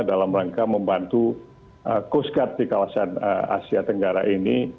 dalam rangka membantu coast guard di kawasan asia tenggara ini